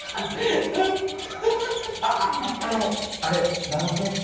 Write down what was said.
あっあのあれラノベ？